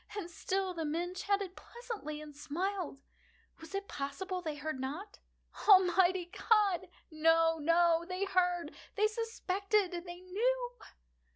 And still the men chatted pleasantly, and smiled. Was it possible they heard not? Almighty God!—no, no! They heard!—they suspected!—they knew!